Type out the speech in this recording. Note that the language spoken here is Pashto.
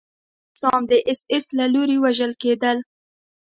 ملکي روسان د اېس ایس له لوري وژل کېدل